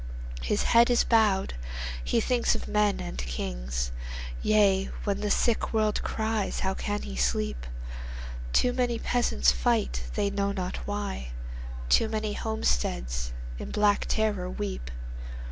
His head is bowed. He thinks of men and kings. Yea, when the sick world cries, how can he sleep? Too many peasants fight, they know not why; Too many homesteads in black terror weep.